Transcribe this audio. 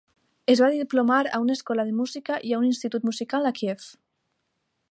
Es va diplomar a una escola de música i a un institut musical a Kíev.